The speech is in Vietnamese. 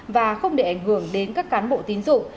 và không để ảnh hưởng đến các cán bộ tín dụng